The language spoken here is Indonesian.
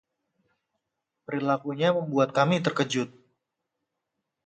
Perilakunya membuat kami terkejut.